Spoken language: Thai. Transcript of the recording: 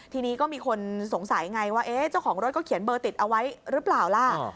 ทีนี้ก็มีคนสงสัยไงว่าเจ้าของรถก็เขียนเบอร์ติดเอาไว้หรือเปล่าล่ะ